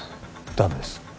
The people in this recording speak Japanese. ダメです